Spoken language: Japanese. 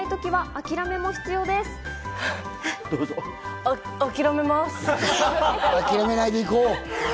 諦めないでいこう。